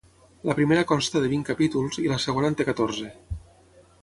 La primera consta de vint capítols i la segona en té catorze.